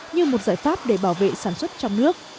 như một giải pháp để bảo vệ sản xuất trong nước